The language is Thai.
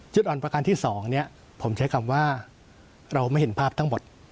อ่อนประการที่๒ผมใช้คำว่าเราไม่เห็นภาพทั้งหมด